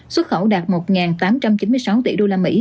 xuất khẩu đạt một tám trăm chín mươi sáu tỷ usd